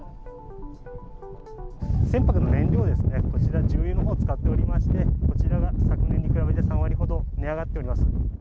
船舶の燃料ですね、こちら、重油のほうを使っておりまして、こちらが昨年に比べて３割ほど値上がっております。